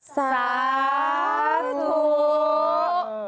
สาธุ